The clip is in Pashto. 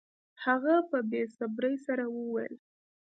هغه په بې صبرۍ سره وویل